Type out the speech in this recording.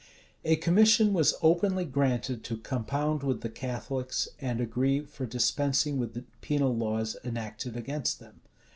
A commission was openly granted to compound with the Catholics, and agree for dispensing with the penal laws enacted against them.